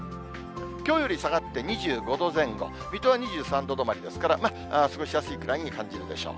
きょうより下がって２５度前後、水戸は２３度止まりですから、過ごしやすいぐらいに感じるでしょう。